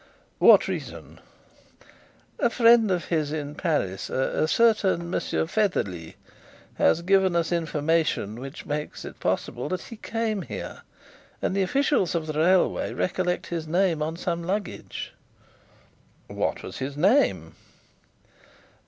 "What reason?" "A friend of his in Paris a certain M. Featherly has given us information which makes it possible that he came here, and the officials of the railway recollect his name on some luggage." "What was his name?"